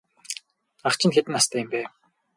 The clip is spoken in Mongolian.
Ах чинь хэдэн настай юм бэ?